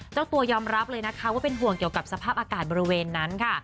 เจ้าตัวยอมรับเลยนะคะว่าเป็นห่วงเกี่ยวกับสภาพอากาศบริเวณนั้นค่ะ